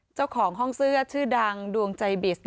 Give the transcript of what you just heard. เจ้าของห้องเสื้อชื่อดังดวงใจบิส